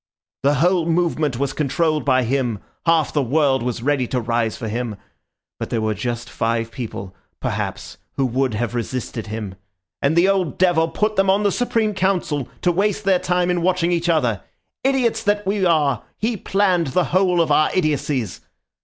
"The whole movement was controlled by him; half the world was ready to rise for him. But there were just five people, perhaps, who would have resisted him... and the old devil put them on the Supreme Council, to waste their time in watching each other. Idiots that we are, he planned the whole of our idiocies!